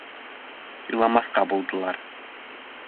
Иламаҫҡа булдылар.